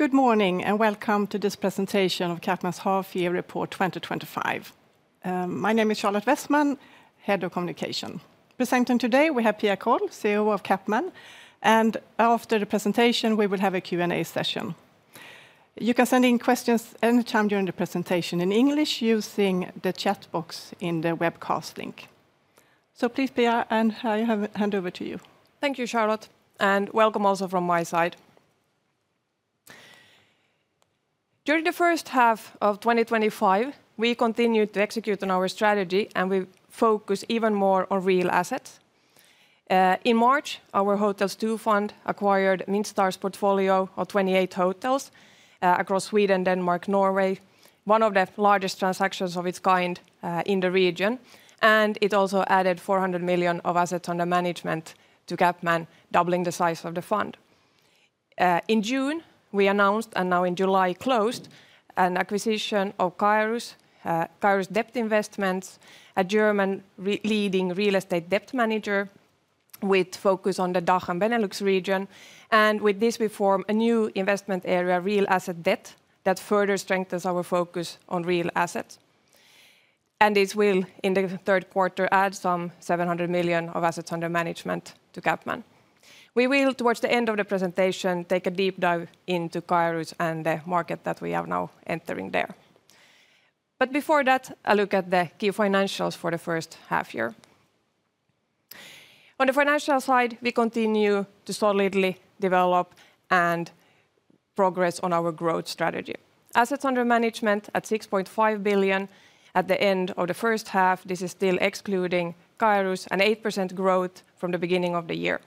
Good morning and welcome to this presentation of CapMan's half-year report 2025. My name is Charlotte Wessman, Head of Communication. Presenting today, we have Pia Kåll, CEO of CapMan, and after the presentation, we will have a Q&A session. You can send in questions anytime during the presentation in English using the chat box in the webcast link. Please, Pia, I'll hand over to you. Thank you, Charlotte, and welcome also from my side. During the first half of 2025, we continued to execute on our strategy, and we focused even more on real assets. In March, our Hotels II fund acquired Midstar's portfolio of 28 hotels across Sweden, Denmark, and Norway, one of the largest transactions of its kind in the region. It also added 400 million of assets under management to CapMan, doubling the size of the fund. In June, we announced, and now in July, closed an acquisition of CAERUS Debt Investments, a German leading real estate debt manager with focus on the DACH and Benelux region. With this, we formed a new investment area, Real Asset Debt, that further strengthens our focus on real assets. This will, in the third quarter, add some 700 million of assets under management to CapMan. We will, towards the end of the presentation, take a deep dive into CAERUS and the market that we are now entering there. Before that, I'll look at the key financials for the first half year. On the financial side, we continue to solidly develop and progress on our growth strategy. Assets under management at 6.5 billion at the end of the first half. This is still excluding CAERUS, an 8% growth from the beginning of the year.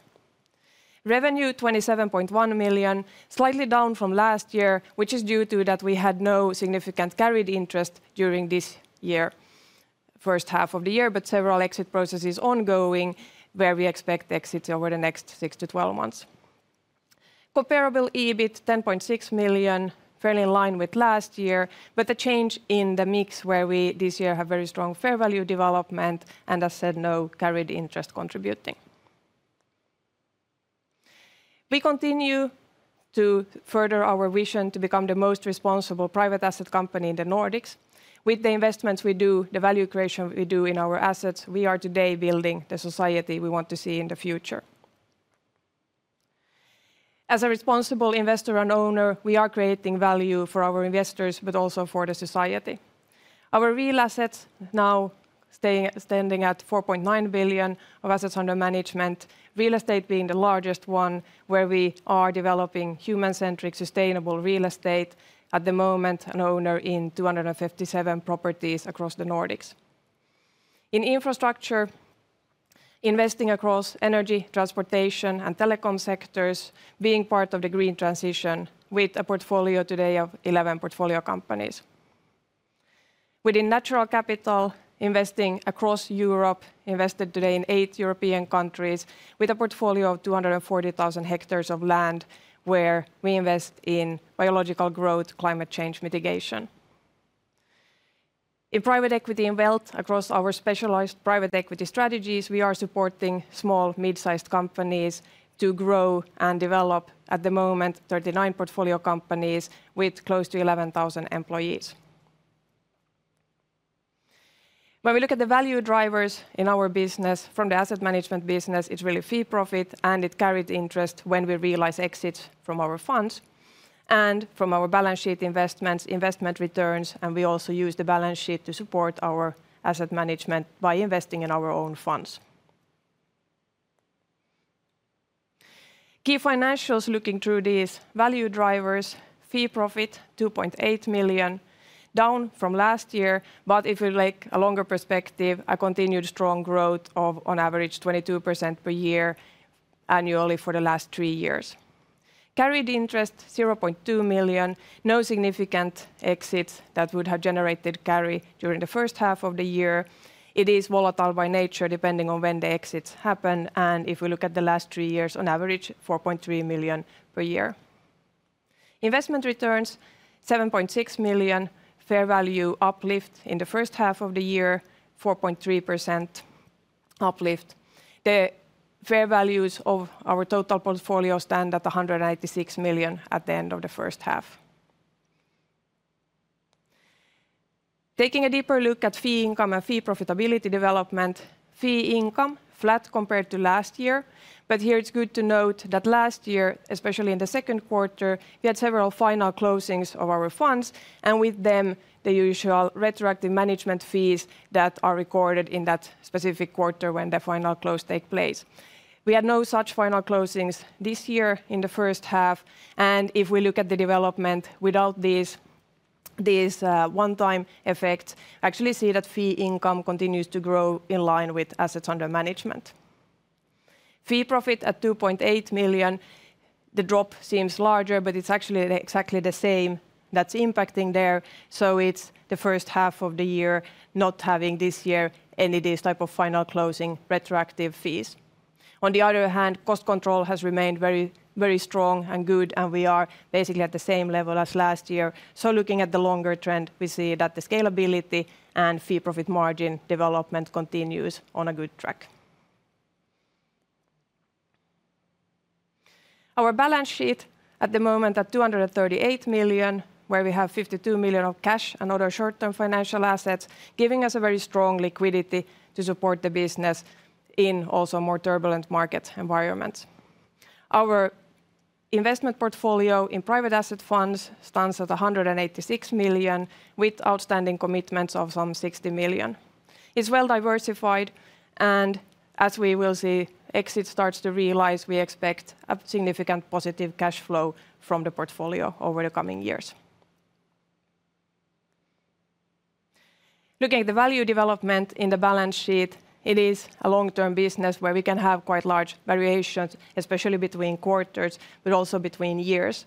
Revenue 27.1 million, slightly down from last year, which is due to that we had no significant carried interest during this year, first half of the year, but several exit processes ongoing where we expect exits over the next 6 months-12 months. Comparable EBIT 10.6 million, fairly in line with last year, but a change in the mix where we this year have very strong fair value development and, as I said, no carried interest contributing. We continue to further our vision to become the most responsible private asset company in the Nordics. With the investments we do, the value creation we do in our assets, we are today building the society we want to see in the future. As a responsible investor and owner, we are creating value for our investors, but also for the society. Our real assets now standing at 4.9 billion of assets under management, real estate being the largest one where we are developing human-centric sustainable real estate. At the moment, an owner in 257 properties across the Nordics. In infrastructure, investing across energy, transportation, and telecom sectors, being part of the green transition with a portfolio today of 11 portfolio companies. Within natural capital, investing across Europe, invested today in eight European countries with a portfolio of 240,000 ha of land where we invest in biological growth, climate change mitigation. In private equity and wealth, across our specialized private equity strategies, we are supporting small, mid-sized companies to grow and develop. At the moment, 39 portfolio companies with close to 11,000 employees. When we look at the value drivers in our business, from the asset management business, it's really fee profit and carried interest when we realize exits from our funds and from our balance sheet investments, investment returns, and we also use the balance sheet to support our asset management by investing in our own funds. Key financials looking through these value drivers: fee profit 2.8 million, down from last year, but if you like a longer perspective, a continued strong growth of on average 22% per year annually for the last three years. Carried interest 0.2 million, no significant exits that would have generated carry during the first half of the year. It is volatile by nature depending on when the exits happen. If we look at the last three years, on average 4.3 million per year. Investment returns 7.6 million, fair value uplift in the first half of the year, 4.3% uplift. The fair values of our total portfolio stand at 196 million at the end of the first half. Taking a deeper look at fee income and fee profitability development, fee income flat compared to last year, but here it's good to note that last year, especially in the second quarter, you had several final closings of our funds and with them the usual retroactive management fees that are recorded in that specific quarter when the final close takes place. We had no such final closings this year in the first half, and if we look at the development without this one-time effect, actually see that fee income continues to grow in line with assets under management. Fee profit at 2.8 million, the drop seems larger, but it's actually exactly the same that's impacting there. It's the first half of the year not having this year any of these type of final closing retroactive fees. On the other hand, cost control has remained very, very strong and good, and we are basically at the same level as last year. Looking at the longer trend, we see that the scalability and fee profit margin development continues on a good track. Our balance sheet at the moment at 238 million, where we have 52 million of cash and other short-term financial assets, giving us a very strong liquidity to support the business in also more turbulent market environments. Our investment portfolio in private asset funds stands at 186 million with outstanding commitments of some 60 million. It's well diversified, and as we will see, exit starts to realize we expect a significant positive cash flow from the portfolio over the coming years. Looking at the value development in the balance sheet, it is a long-term business where we can have quite large variations, especially between quarters, but also between years.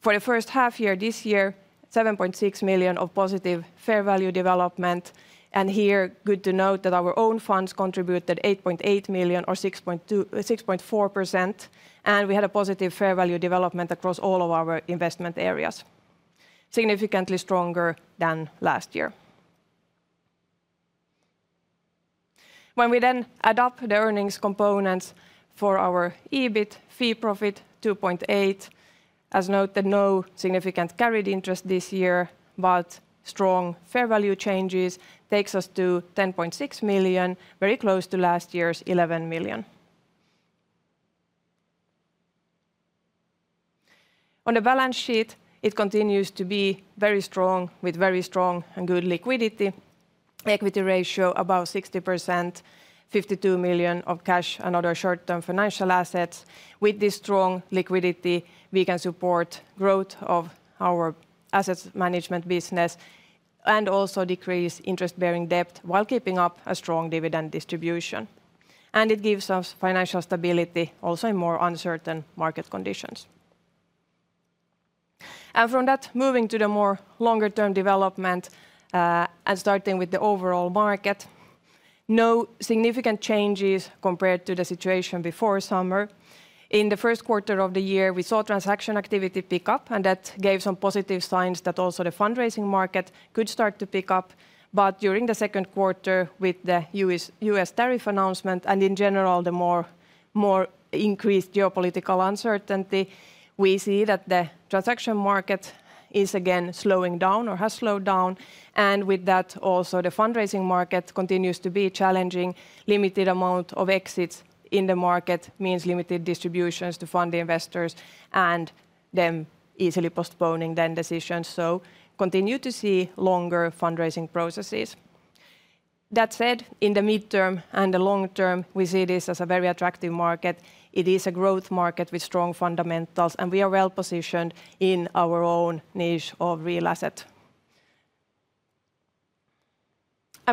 For the first half year this year, 7.6 million of positive fair value development, and here good to note that our own funds contributed 8.8 million or 6.4%, and we had a positive fair value development across all of our investment areas, significantly stronger than last year. When we then adopt the earnings components for our EBIT, fee profit 2.8 million, as noted, no significant carried interest this year, but strong fair value changes take us to 10.6 million, very close to last year's 11 million. On the balance sheet, it continues to be very strong with very strong and good liquidity. The equity ratio about 60%, 52 million of cash and other short-term financial assets. With this strong liquidity, we can support growth of our asset management business and also decrease interest-bearing debt while keeping up a strong dividend distribution. It gives us financial stability also in more uncertain market conditions. From that, moving to the more longer-term development and starting with the overall market, no significant changes compared to the situation before summer. In the first quarter of the year, we saw transaction activity pick up, and that gave some positive signs that also the fundraising market could start to pick up. During the second quarter, with the U.S. tariff announcement and in general the more increased geopolitical uncertainty, we see that the transaction market is again slowing down or has slowed down. With that, also the fundraising market continues to be challenging. Limited amount of exits in the market means limited distributions to fund investors and them easily postponing then decisions. Continue to see longer fundraising processes. That said, in the midterm and the long term, we see this as a very attractive market. It is a growth market with strong fundamentals, and we are well positioned in our own niche of real assets.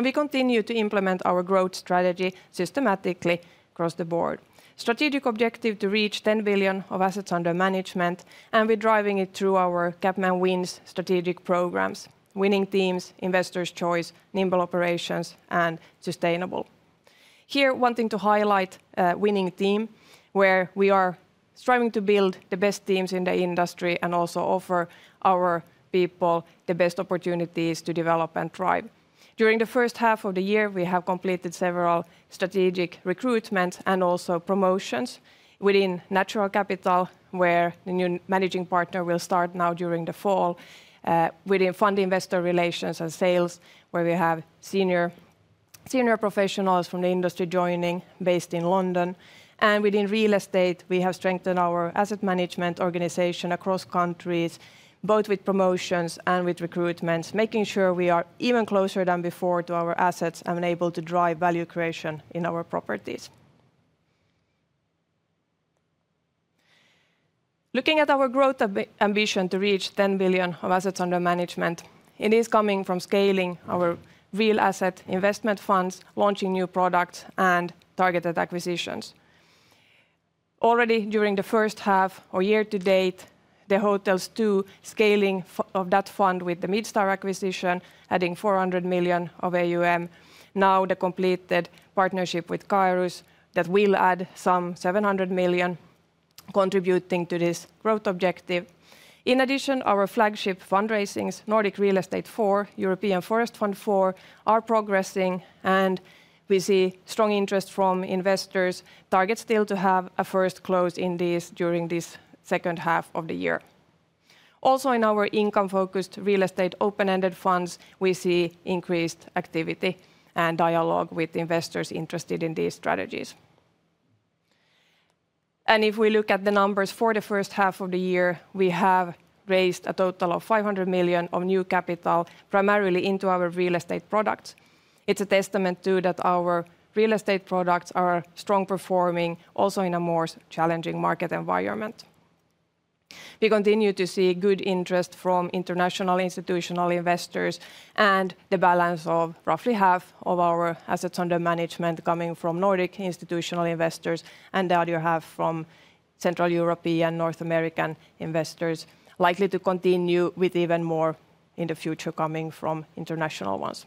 We continue to implement our growth strategy systematically across the board. Strategic objective to reach 10 billion of assets under management, and we're driving it through our CapMan Wins strategic programs, winning teams, investors' choice, nimble operations, and sustainable. Here wanting to highlight a winning team where we are striving to build the best teams in the industry and also offer our people the best opportunities to develop and thrive. During the first half of the year, we have completed several strategic recruitments and also promotions within Natural Capital, where the new Managing Partner will start now during the fall, within Fund Investor Relations and Sales, where we have senior professionals from the industry joining based in London. Within Real Estate, we have strengthened our asset management organization across countries, both with promotions and with recruitments, making sure we are even closer than before to our assets and able to drive value creation in our properties. Looking at our growth ambition to reach 10 billion of assets under management, it is coming from scaling our real asset investment funds, launching new products, and targeted acquisitions. Already during the first half or year to date, the Hotels II fund, scaling of that fund with the Midstar acquisition, adding 400 million of AUM. Now the completed partnership with CAERUS that will add some 700 million contributing to this growth objective. In addition, our flagship fundraisings, Nordic Real Estate IV, European Forest Fund IV, are progressing, and we see strong interest from investors, target still to have a first close in this during this second half of the year. Also in our income-focused real estate open-ended funds, we see increased activity and dialogue with investors interested in these strategies. If we look at the numbers for the first half of the year, we have raised a total of 500 million of new capital, primarily into our real estate products. It's a testament to that our real estate products are strong performing also in a more challenging market environment. We continue to see good interest from international institutional investors, and the balance of roughly half of our assets under management coming from Nordic institutional investors and the other half from Central European and North American investors is likely to continue, with even more in the future coming from international ones.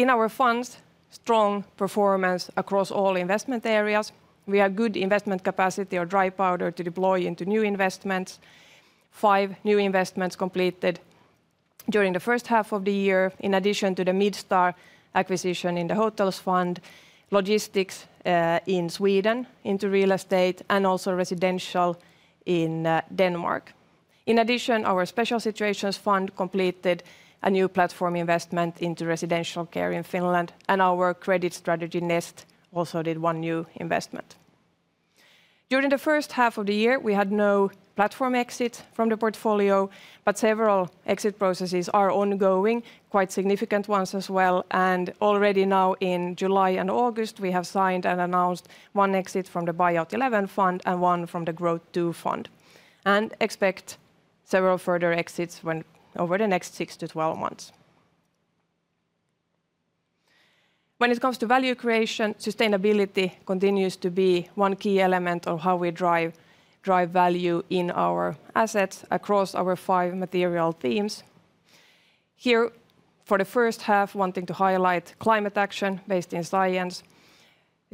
In our funds, strong performance across all investment areas. We have good investment capacity or dry powder to deploy into new investments. Five new investments completed during the first half of the year, in addition to the Midstar acquisition in the Hotels II fund, logistics in Sweden into real estate, and also residential in Denmark. In addition, our special situations fund completed a new platform investment into residential care in Finland, and our credit strategy nest also did one new investment. During the first half of the year, we had no platform exit from the portfolio, but several exit processes are ongoing, quite significant ones as well. Already now in July and August, we have signed and announced one exit from the Buyout XI fund and one from the Growth II fund and expect several further exits over the next 6months-12 months. When it comes to value creation, sustainability continues to be one key element of how we drive value in our assets across our five material themes. Here for the first half, wanting to highlight climate action based in science.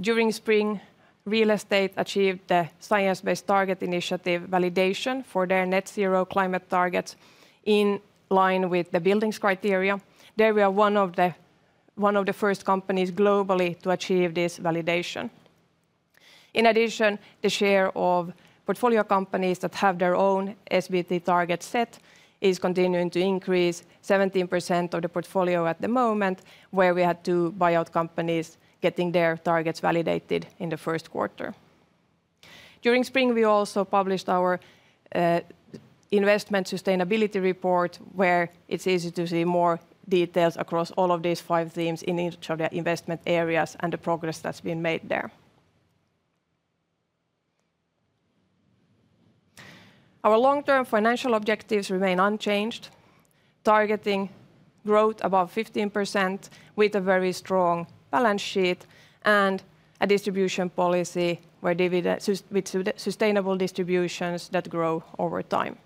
During spring, real estate achieved the Science Based Targets initiative validation for their net zero climate targets in line with the buildings criteria. There we are one of the first companies globally to achieve this validation. In addition, the share of portfolio companies that have their own SBTi target set is continuing to increase, 17% of the portfolio at the moment, where we had two buyout companies getting their targets validated in the first quarter. During spring, we also published our investment sustainability report where it's easy to see more details across all of these five themes in each of the investment areas and the progress that's been made there. Our long-term financial objectives remain unchanged, targeting growth above 15% with a very strong balance sheet and a distribution policy with sustainable distributions that grow over time.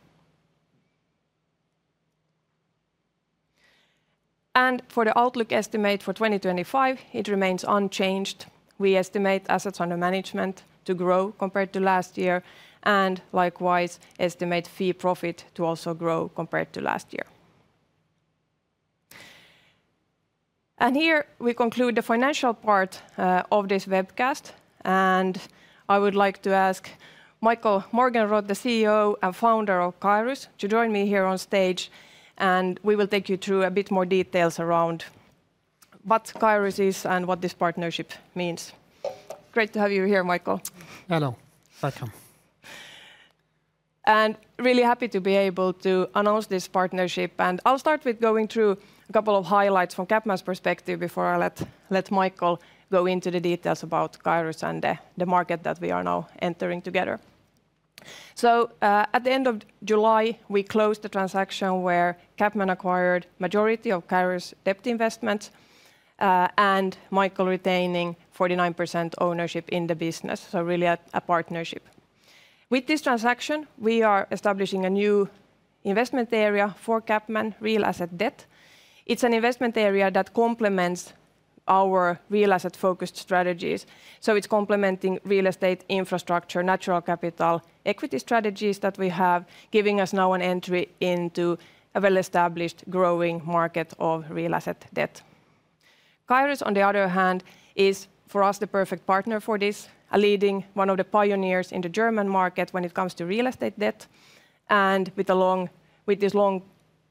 For the outlook estimate for 2025, it remains unchanged. We estimate assets under management to grow compared to last year and likewise estimate fee profit to also grow compared to last year. Here we conclude the financial part of this webcast. I would like to ask Michael Morgenroth, the CEO and founder of CAERUS, to join me here on stage. We will take you through a bit more details around what CAERUS is and what this partnership means. Great to have you here, Michael. Hello, welcome. Really happy to be able to announce this partnership. I'll start with going through a couple of highlights from CapMan's perspective before I let Michael go into the details about CAERUS and the market that we are now entering together. At the end of July, we closed the transaction where CapMan acquired a majority of CAERUS Debt Investments and Michael retaining 49% ownership in the business. It is really a partnership. With this transaction, we are establishing a new investment area for CapMan, real asset debt. It's an investment area that complements our real asset-focused strategies. It is complementing real estate, infrastructure, natural capital, equity strategies that we have, giving us now an entry into a well-established growing market of real asset debt. CAERUS, on the other hand, is for us the perfect partner for this, a leading, one of the pioneers in the German market when it comes to real estate debt. With this long,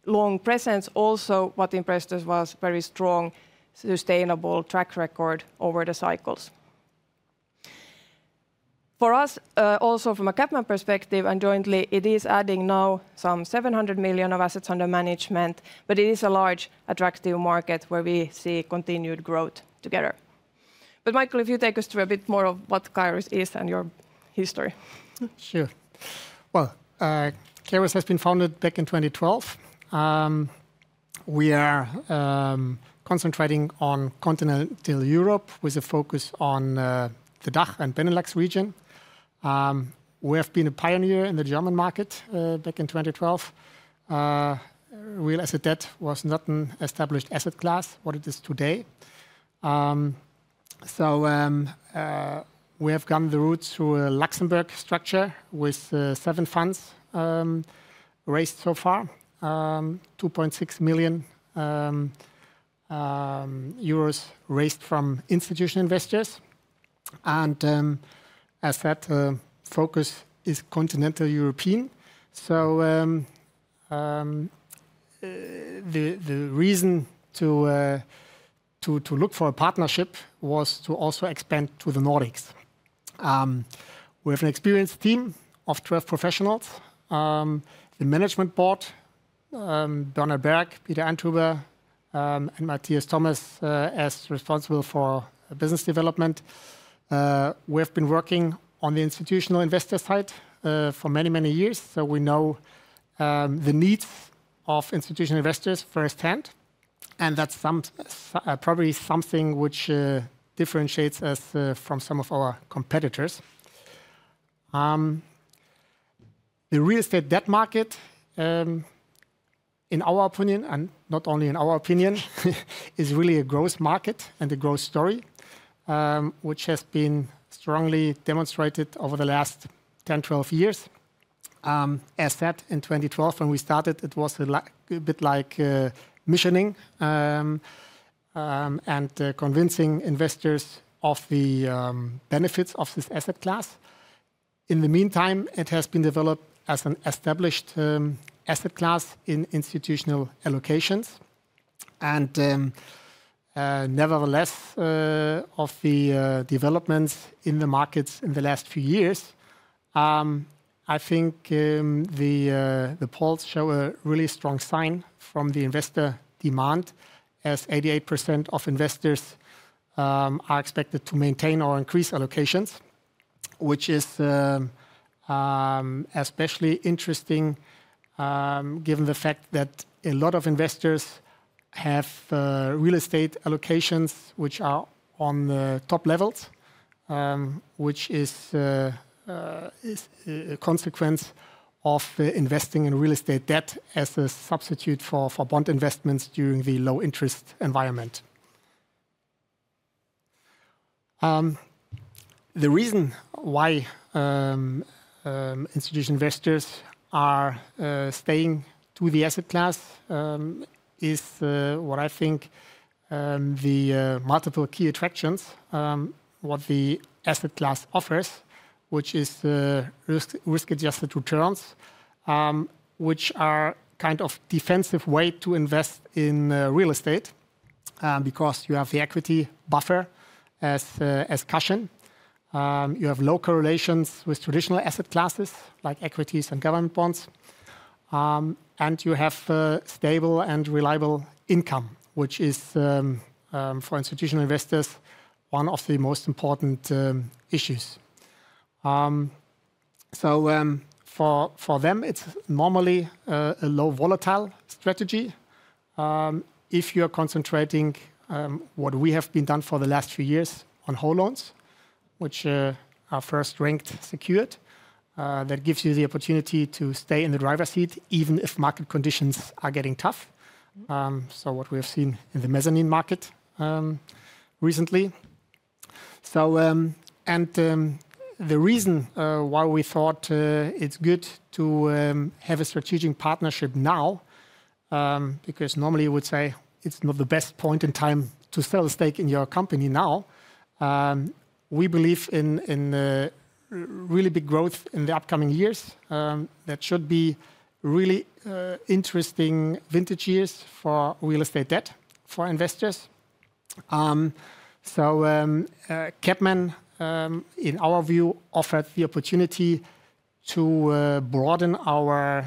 long presence, also what impressed us was a very strong sustainable track record over the cycles. From a CapMan perspective and jointly, it is adding now some 700 million of assets under management, but it is a large attractive market where we see continued growth together. Michael, if you take us through a bit more of what CAERUS is and your history. Sure. CAERUS has been founded back in 2012. We are concentrating on continental Europe with a focus on the DACH and Benelux region. We have been a pioneer in the German market back in 2012. Real asset debt was not an established asset class, what it is today. We have gone the route through a Luxembourg structure with seven funds raised so far, 2.6 million euros raised from institutional investors. As that focus is continental European, the reason to look for a partnership was to also expand to the Nordics. We have an experienced team of 12 professionals, the Management Board, Donna Berg, Peter Antuber, and Matthias Thomas as responsible for business development. We have been working on the institutional investor side for many, many years. We know the need of institutional investors firsthand. That's probably something which differentiates us from some of our competitors. The real estate debt market, in our opinion, and not only in our opinion, is really a growth market and a growth story, which has been strongly demonstrated over the last 10, 12 years. As said, in 2012, when we started, it was a bit like missioning and convincing investors of the benefits of this asset class. In the meantime, it has been developed as an established asset class in institutional allocations. Nevertheless, of the developments in the markets in the last few years, I think the polls show a really strong sign from the investor demand as 88% of investors are expected to maintain or increase allocations, which is especially interesting given the fact that a lot of investors have real estate allocations which are on the top levels, which is a consequence of investing in real estate debt as a substitute for bond investments during the low interest environment. The reason why institutional investors are staying to the asset class is what I think the multiple key attractions, what the asset class offers, which is risk-adjusted returns, which are kind of a defensive way to invest in real estate because you have the equity buffer as cushion. You have low correlations with traditional asset classes like equities and government bonds. You have stable and reliable income, which is for institutional investors one of the most important issues. For them, it's normally a low volatile strategy. If you are concentrating on what we have been done for the last few years on home loans, which are first ranked secured, that gives you the opportunity to stay in the driver's seat even if market conditions are getting tough. What we have seen in the mezzanine market recently, and the reason why we thought it's good to have a strategic partnership now, is because normally you would say it's not the best point in time to sell a stake in your company now. We believe in really big growth in the upcoming years. That should be really interesting vintage years for real estate debt for investors. CapMan, in our view, offered the opportunity to broaden our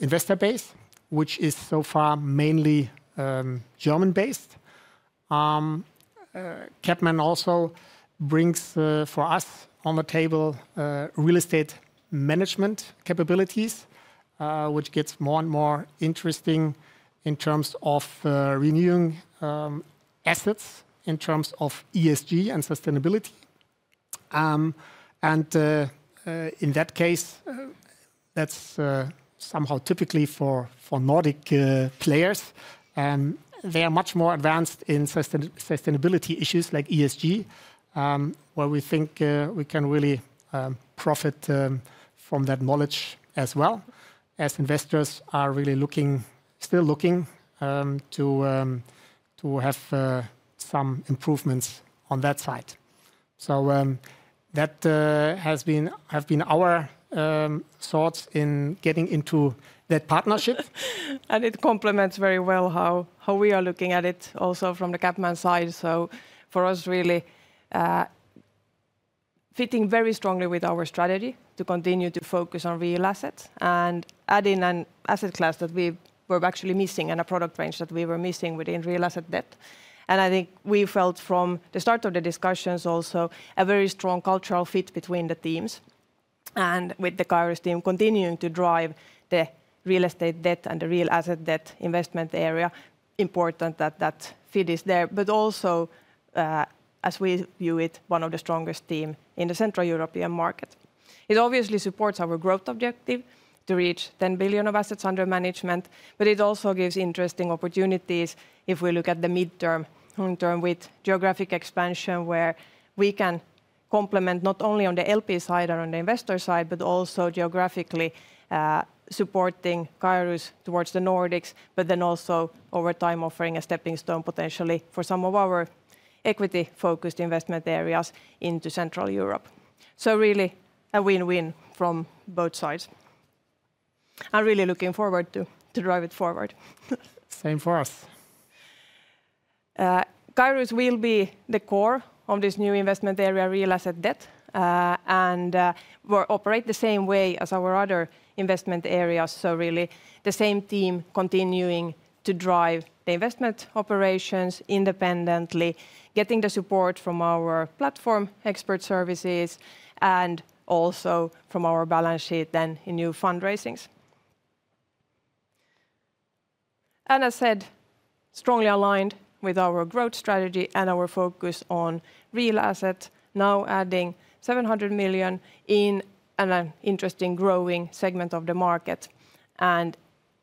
investor base, which is so far mainly German-based. CapMan also brings for us on the table real estate management capabilities, which gets more and more interesting in terms of renewing assets, in terms of ESG and sustainability. In that case, that's somehow typical for Nordic players. They are much more advanced in sustainability issues like ESG, where we think we can really profit from that knowledge as well as investors are really looking, still looking to have some improvements on that side. That has been our thoughts in getting into that partnership. It complements very well how we are looking at it also from the CapMan side. For us, it is really fitting very strongly with our strategy to continue to focus on real assets and add in an asset class that we were actually missing and a product range that we were missing within real asset debt. I think we felt from the start of the discussions also a very strong cultural fit between the teams and with the CAERUS team continuing to drive the real estate debt and the real asset debt investment area. It is important that that fit is there, but also as we view it, one of the strongest teams in the Central European market. It obviously supports our growth objective to reach 10 billion of assets under management, but it also gives interesting opportunities if we look at the midterm and long term with geographic expansion where we can complement not only on the LP side and on the investor side, but also geographically supporting CAERUS towards the Nordics, and over time offering a stepping stone potentially for some of our equity-focused investment areas into Central Europe. It is really a win-win from both sides. I'm really looking forward to drive it forward. Same for us. CAERUS will be the core of this new investment area, real asset debt, and we'll operate the same way as our other investment areas. The same team will continue to drive the investment operations independently, getting the support from our platform expert services and also from our balance sheet in new fundraisings. As I said, this is strongly aligned with our growth strategy and our focus on real assets, now adding 700 million in an interesting growing segment of the market and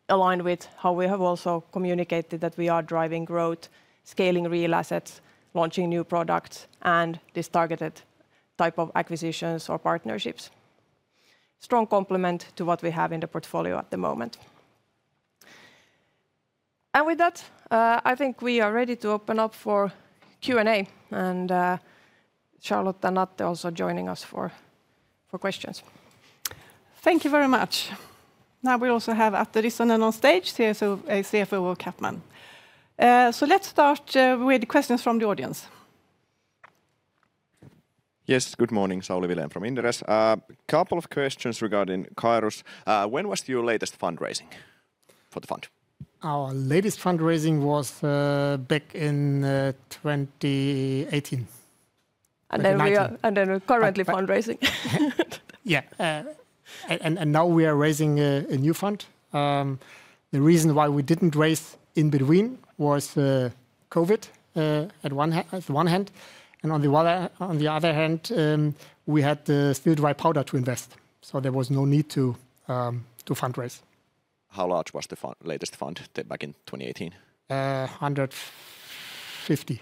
aligned with how we have also communicated that we are driving growth, scaling real assets, launching new products, and this targeted type of acquisitions or partnerships. This is a strong complement to what we have in the portfolio at the moment. With that, I think we are ready to open up for Q&A and Charlotte and Atte also joining us for questions. Thank you very much. Now we also have Atte Rissanen on stage, CFO of CapMan. Let's start with questions from the audience. Yes, good morning, Sauli Vilén from Inderes. A couple of questions regarding CAERUS. When was your latest fundraising for the fund? Our latest fundraising was back in 2018. We are currently fundraising. Yeah, now we are raising a new fund. The reason why we didn't raise in between was COVID on one hand, and on the other hand, we had still dry powder to invest. There was no need to fundraise. How large was the latest fund back in 2018? 150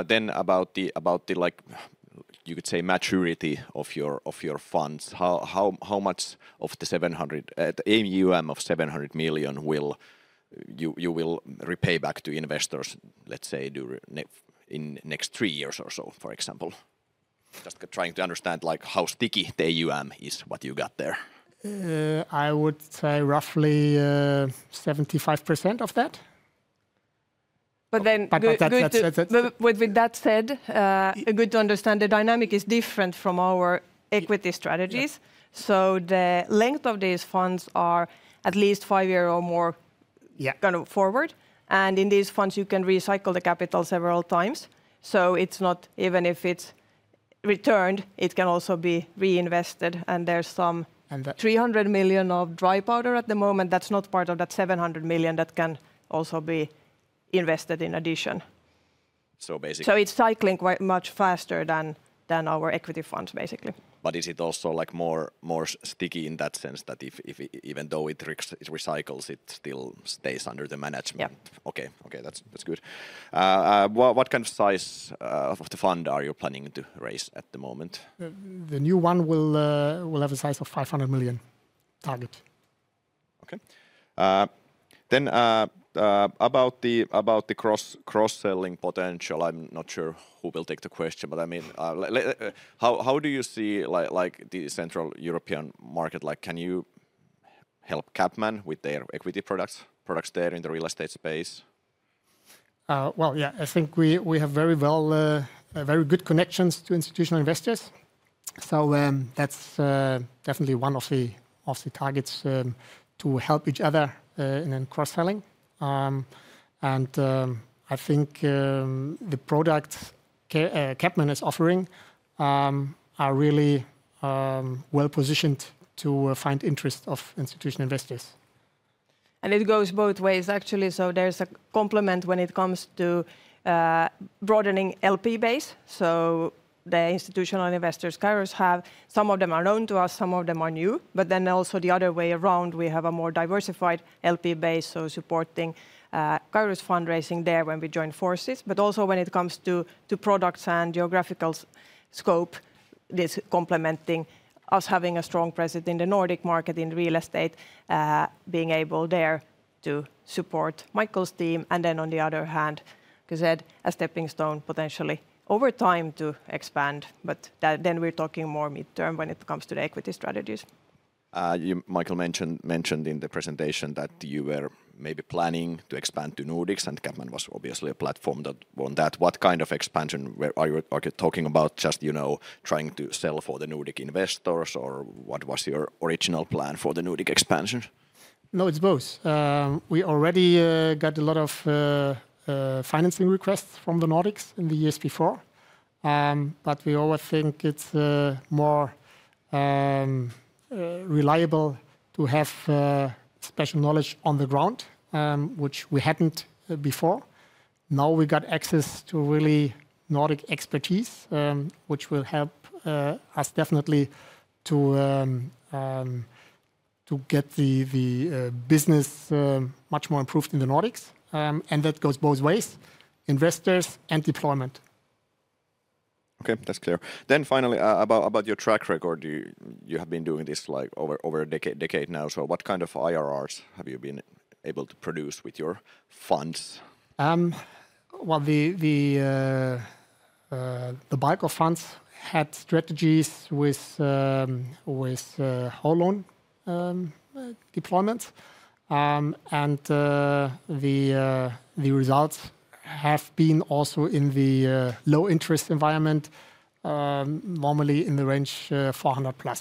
million. About the maturity of your funds, how much of the AUM of 700 million will you repay back to investors, let's say, in the next three years or so, for example? Just trying to understand how sticky the AUM is, what you got there. I would say roughly 75% of that. That said, it's good to understand the dynamic is different from our equity strategies. The length of these funds are at least five years or more going forward. In these funds, you can recycle the capital several times. It's not even if it's returned, it can also be reinvested. There's some 300 million of dry powder at the moment that's not part of that 700 million that can also be invested in addition. It's cycling much faster than our equity funds, basically. Is it also more sticky in that sense that even though it recycles, it still stays under the management? Yeah. Okay, that's good. What kind of size of the fund are you planning to raise at the moment? The new one will have a target size of 500 million. Okay. About the cross-selling potential, I'm not sure who will take the question, but I mean, how do you see the Central European market? Can you help CapMan with their equity products there in the real estate space? I think we have very good connections to institutional investors. That's definitely one of the targets to help each other in cross-selling. I think the products CapMan is offering are really well positioned to find interest of institutional investors. It goes both ways, actually. There's a complement when it comes to broadening LP base. The institutional investors CAERUS have, some of them are known to us, some of them are new. Also, the other way around, we have a more diversified LP base, supporting CAERUS fundraising there when we join forces. When it comes to products and geographical scope, this is complementing us having a strong presence in the Nordic market in real estate, being able there to support Michael's team. On the other hand, as I said, a stepping stone potentially over time to expand. We're talking more midterm when it comes to the equity strategies. Michael Morgenroth mentioned in the presentation that you were maybe planning to expand to the Nordics, and CapMan Oyj was obviously a platform that won that. What kind of expansion are you talking about? Just, you know, trying to sell for the Nordic investors or what was your original plan for the Nordic expansion? No, it's both. We already got a lot of financing requests from the Nordics in the years before. We always think it's more reliable to have special knowledge on the ground, which we hadn't before. Now we got access to really Nordic expertise, which will help us definitely to get the business much more improved in the Nordics. That goes both ways, investors and deployment. Okay, that's clear. Finally, about your track record, you have been doing this like over a decade now. What kind of IRRs have you been able to produce with your funds? The BIKO funds had strategies with home loan deployments. The results have been also in the low interest environment, normally in the range 400 million+.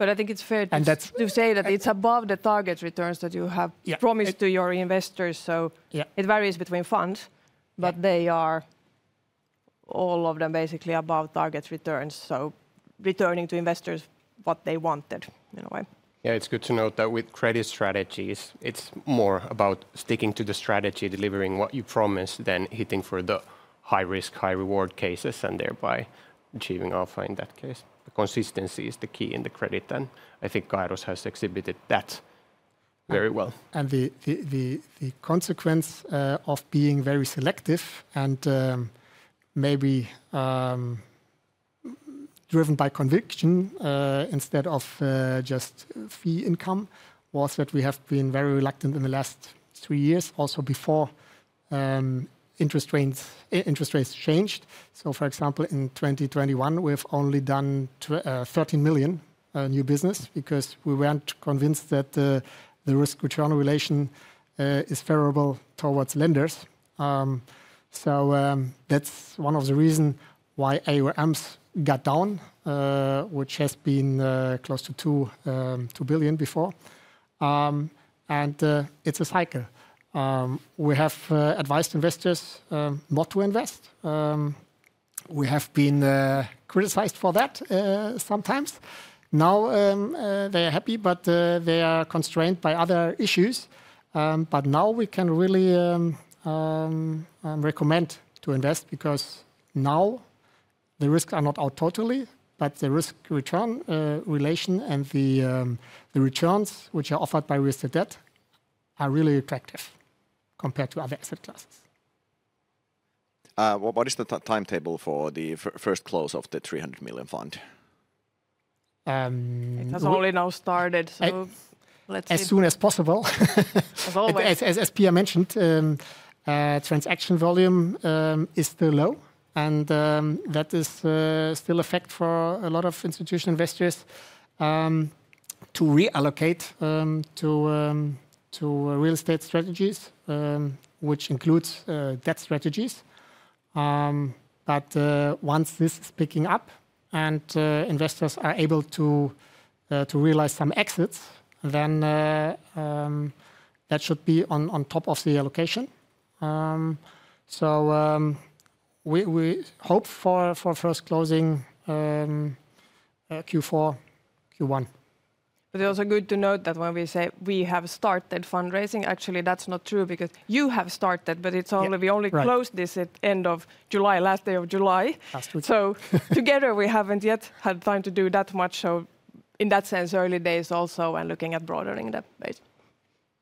I think it's fair to say that it's above the target returns that you have promised to your investors. It varies between funds, but they are all of them basically above target returns, returning to investors what they wanted in a way. Yeah, it's good to note that with credit strategies, it's more about sticking to the strategy, delivering what you promise, than hitting for the high risk, high reward cases, and thereby achieving alpha in that case. The consistency is the key in the credit, and I think CAERUS has exhibited that very well. The consequence of being very selective and maybe driven by conviction instead of just fee income was that we have been very reluctant in the last three years, also before interest rates changed. For example, in 2021, we've only done 13 million new business because we weren't convinced that the risk-return relation is favorable towards lenders. That's one of the reasons why AUM got down, which has been close to 2 billion before. It is a cycle. We have advised investors not to invest. We have been criticized for that sometimes. Now they are happy, but they are constrained by other issues. Now we can really recommend to invest because the risks are not out totally, but the risk-return relation and the returns which are offered by real estate debt are really attractive compared to other asset classes. What is the timetable for the first close of the 300 million fund? That's only now started. As soon as possible. As always. As Pia mentioned, transaction volume is still low, and that is still a fact for a lot of institutional investors to reallocate to real estate strategies, which includes debt strategies. Once this is picking up and investors are able to realize some exits, that should be on top of the allocation. We hope for first closing Q4, Q1. It's also good to note that when we say we have started fundraising, actually that's not true because you have started, but we only closed this at the end of July, last day of July. Together we haven't yet had time to do that much. In that sense, early days also and looking at broadening that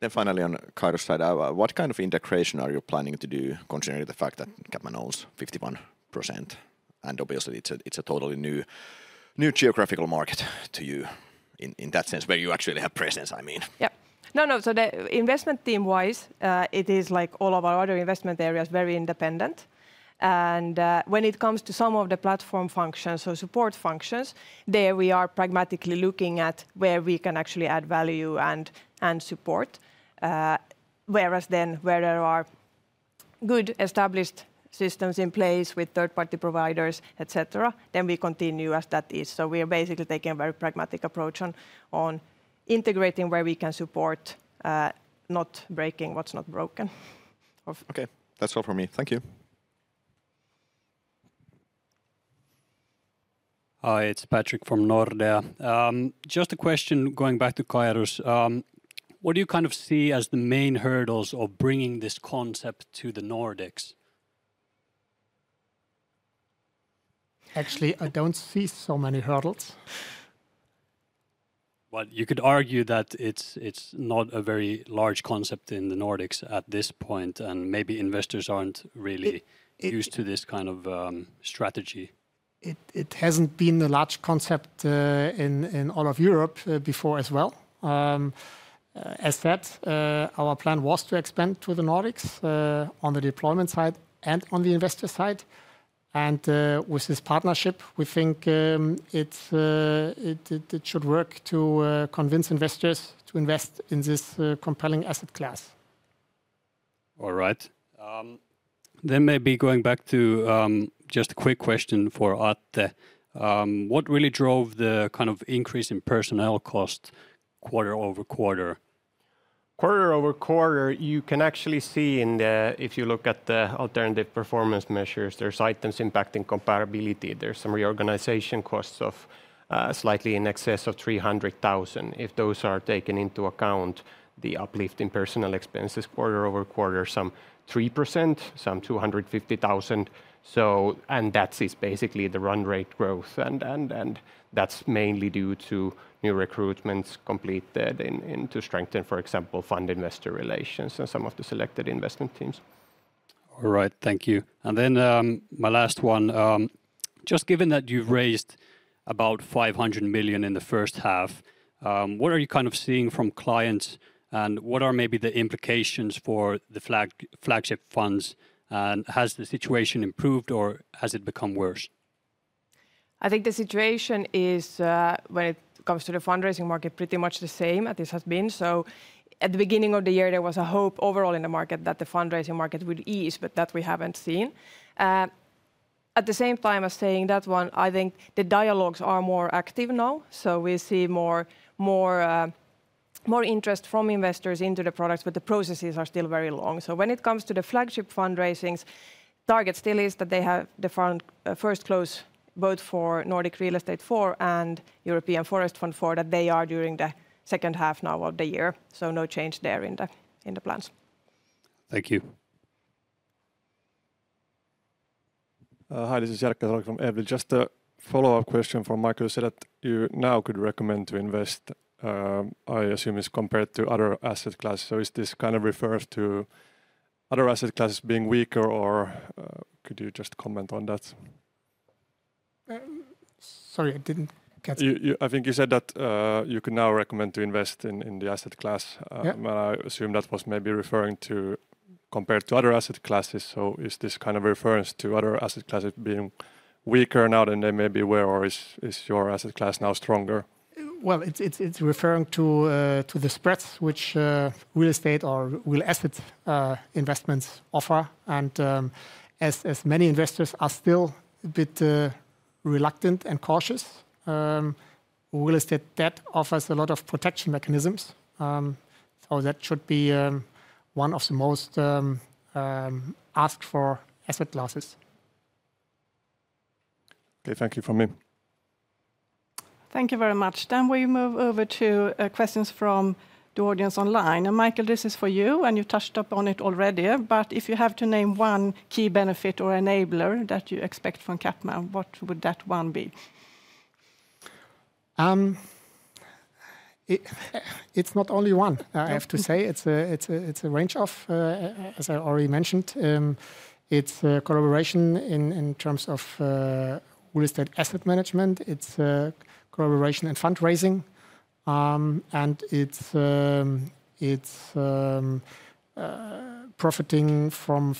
base. On the CAERUS side, what kind of integration are you planning to do, considering the fact that CapMan owns 51%? Obviously, it's a totally new geographical market to you in that sense where you actually have presence, I mean. The investment team-wise, it is like all of our other investment areas, very independent. When it comes to some of the platform functions or support functions, we are pragmatically looking at where we can actually add value and support. Where there are good established systems in place with third-party providers, et cetera, we continue as that is. We are basically taking a very pragmatic approach on integrating where we can support, not breaking what's not broken. Okay, that's all for me. Thank you. Hi, it's Patrick from Nordea. Just a question going back to CAERUS. What do you kind of see as the main hurdles of bringing this concept to the Nordics? Actually, I don't see so many hurdles. It is not a very large concept in the Nordics at this point, and maybe investors aren't really used to this kind of strategy. It hasn't been a large concept in all of Europe before as well. As said, our plan was to expand to the Nordics on the deployment side and on the investor side. With this partnership, we think it should work to convince investors to invest in this compelling asset class. All right. Maybe going back to just a quick question for Atte. What really drove the kind of increase in personnel cost quarter-over-quarter? Quarter-over-quarter, you can actually see in the, if you look at the alternative performance measures, there's items impacting comparability. There's some reorganization costs of slightly in excess of 300,000. If those are taken into account, the uplift in personnel expenses quarter-over-quarter, some 3%, some 250,000. That is basically the run rate growth. That's mainly due to new recruitments complete to strengthen, for example, fund investor relations and some of the selected investment teams. All right, thank you. My last one, just given that you've raised about 500 million in the first half, what are you kind of seeing from clients and what are maybe the implications for the flagship funds? Has the situation improved or has it become worse? I think the situation is, when it comes to the fundraising market, pretty much the same as this has been. At the beginning of the year, there was a hope overall in the market that the fundraising market would ease, but that we haven't seen. At the same time as saying that one, I think the dialogues are more active now. We see more interest from investors into the products, but the processes are still very long. When it comes to the flagship fundraisings, the target still is that they have the first close both for Nordic Real Estate IV and European Forest Fund IV that they are during the second half now of the year. No change there in the plans. Thank you. Hi, this is Jerkka Hag from Ebbel. Just a follow-up question for Michael. You said that you now could recommend to invest. I assume it's compared to other asset classes. Is this kind of referred to other asset classes being weaker, or could you just comment on that? Sorry, I didn't catch that. I think you said that you can now recommend to invest in the asset class. I assume that was maybe referring to compared to other asset classes. Is this kind of a reference to other asset classes being weaker now than they maybe were, or is your asset class now stronger? It's referring to the spreads which real estate or real asset investments offer. As many investors are still a bit reluctant and cautious, real estate debt offers a lot of protection mechanisms. That should be one of the most asked for asset classes. Okay, thank you from me. Thank you very much. We move over to questions from the audience online. Michael, this is for you and you touched upon it already. If you have to name one key benefit or enabler that you expect from CapMan, what would that one be? It's not only one, I have to say. It's a range of, as I already mentioned, it's a collaboration in terms of real estate asset management, a collaboration in fundraising, and it's profiting from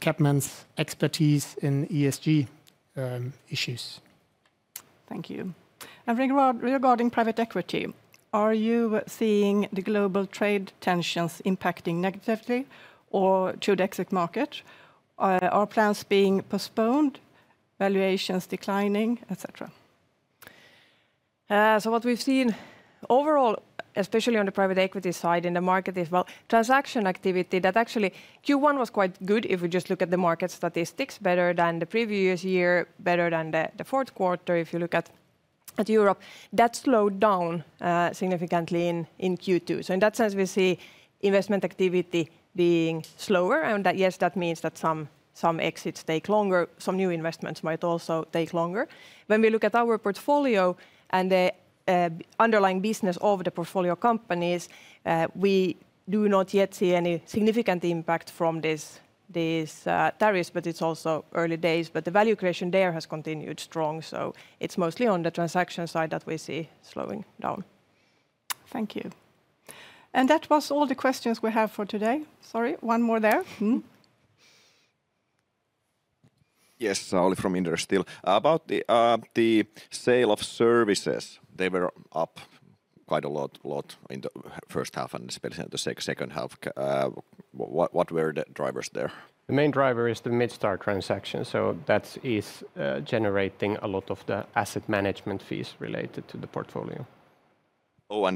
CapMan's expertise in ESG issues. Thank you. Regarding private equity, are you seeing the global trade tensions impacting negatively or the exit market? Are plans being postponed, valuations declining, et cetera? What we've seen overall, especially on the private equity side in the market, is transaction activity that actually Q1 was quite good if we just look at the market statistics, better than the previous year, better than the fourth quarter if you look at Europe. That slowed down significantly in Q2. In that sense, we see investment activity being slower. Yes, that means that some exits take longer, some new investments might also take longer. When we look at our portfolio and the underlying business of the portfolio companies, we do not yet see any significant impact from these tariffs, but it's also early days. The value creation there has continued strong. It's mostly on the transaction side that we see slowing down. Thank you. That was all the questions we have for today. Sorry, one more there. Yes, Sauli from Inderes still. About the sale of services, they were up quite a lot in the first half and especially in the second half. What were the drivers there? The main driver is the Midstar transaction. That is generating a lot of the asset management fees related to the portfolio. Oh,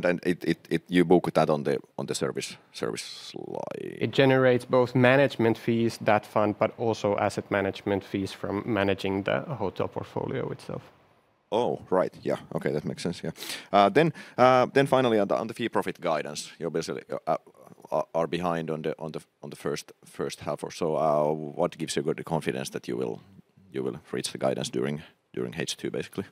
you book that on the service slide. It generates both management fees, that fund, but also asset management fees from managing the hotel portfolio itself. Right. Yeah, okay, that makes sense. Yeah. Finally, on the fee profit guidance, you obviously are behind on the first half or so. What gives you good confidence that you will reach the guidance during H2, basically?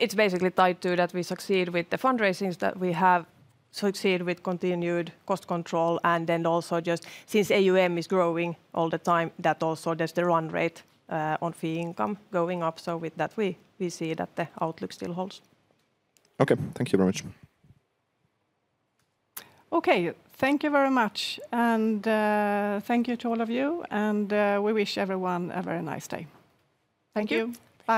It's basically tied to that we succeed with the fundraisings that we have, succeed with continued cost control, and then also just since AUM is growing all the time, that also does the run rate on fee income going up. With that, we see that the outlook still holds. Okay, thank you very much. Okay, thank you very much. Thank you to all of you. We wish everyone a very nice day. Thank you. Bye.